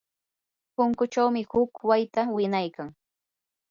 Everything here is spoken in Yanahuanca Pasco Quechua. punkuchawmi huk wayta winaykan.